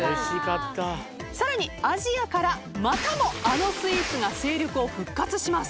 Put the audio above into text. さらにアジアからまたもあのスイーツが勢力を復活します。